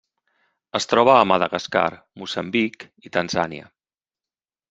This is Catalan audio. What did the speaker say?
Es troba a Madagascar, Moçambic i Tanzània.